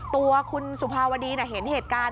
ตัวคุณสุภาวดีเห็นเหตุการณ์